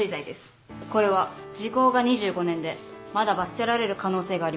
これは時効が２５年でまだ罰せられる可能性があります。